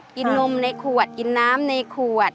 นมในขวดกินน้ำในขวด